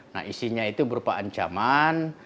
nah isinya itu berupa ancaman